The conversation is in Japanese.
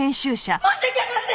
申し訳ありません！